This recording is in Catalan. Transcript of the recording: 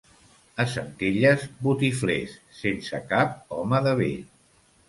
A Centelles, botiflers, sense cap home de bé.